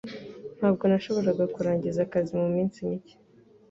Ntabwo nashoboraga kurangiza akazi muminsi mike.